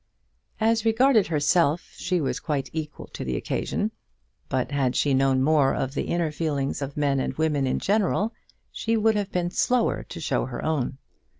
As regarded herself, she was quite equal to the occasion; but had she known more of the inner feelings of men and women in general, she would have been slower to show her own.